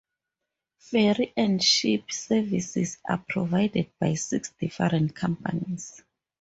Ferry and ship services are provided by six different companies.